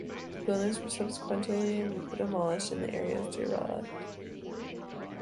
The buildings were subsequently demolished and the area is derelict.